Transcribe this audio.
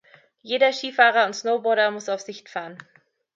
Jeder Skifahrer und Snowboarder muss auf Sicht fahren.